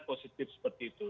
dan positif seperti itu